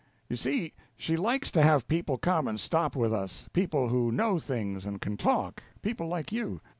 "You see, she likes to have people come and stop with us people who know things, and can talk people like you.